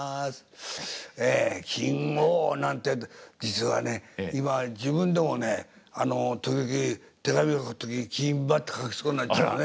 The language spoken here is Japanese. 金扇なんて実はね今自分でもね時々手紙を書く時「金馬」って書きそうになっちゃうね。